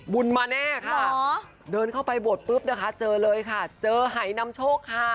บุญมาแน่ค่ะเดินเข้าไปบวชปุ๊บนะคะเจอเลยค่ะเจอหายนำโชคค่ะ